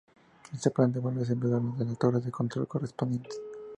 Este plan de vuelo es enviado a la o las torres de control correspondientes.